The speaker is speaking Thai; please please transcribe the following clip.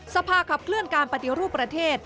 สภาคับเคลื่อนการประเดียวรูปประเทศ